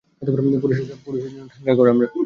পুরুষের জন্য ঠান্ডার ঘর আমরা।